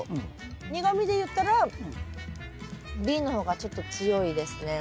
苦みで言ったらＢの方がちょっと強いですね。